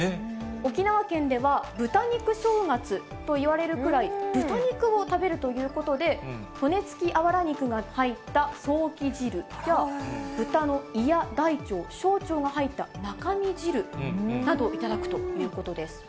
沖縄県では豚肉正月といわれるぐらい、豚肉を食べるということで、骨付きあばら肉が入ったソーキ汁や、豚の胃や大腸、小腸が入った中身汁などを頂くということです。